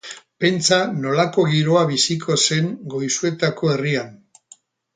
Pentsa nolako giroa biziko zen Goizuetako herrian.